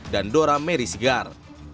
dan dora merisigar